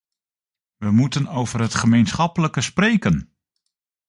We moeten over het gemeenschappelijke spreken!